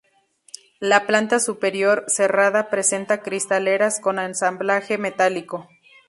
La planta superior, cerrada, presenta cristaleras con ensamblaje metálico.